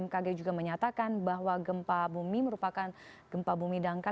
bmkg juga menyatakan bahwa gempa bumi merupakan gempa bumi dangkal